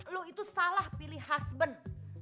lo itu salah pilih hasben